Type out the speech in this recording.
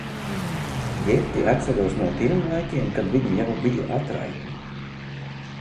Jetti atceros no tiem laikiem, kad viņa jau bija atraitne.